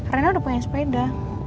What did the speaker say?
rena udah punya sepeda